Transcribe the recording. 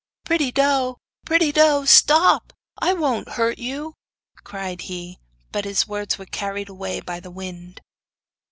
'Pretty doe! pretty doe! stop! I won't hurt you,' cried he, but his words were carried away by the wind.